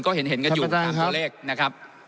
ก็เห็นกันอยู่๓ตัวเลข